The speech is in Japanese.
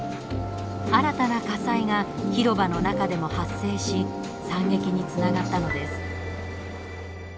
新たな火災が広場の中でも発生し惨劇につながったのです。